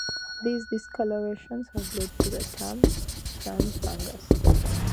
These discolorations have led to the term sun fungus.